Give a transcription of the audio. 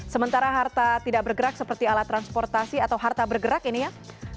sementara harta tidak bergerak seperti alat transportasi atau harta bergerak ini ya